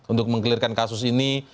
untuk mengkelirkan kasus ini